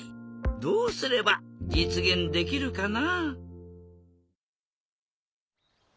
どうすればじつげんできるかな？